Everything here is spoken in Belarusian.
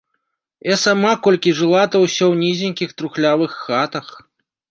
Я сама, колькі жыла, то ўсё ў нізенькіх трухлявых хатах.